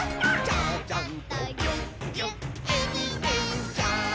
「ちゃちゃんとぎゅっぎゅっえびてんちゃん」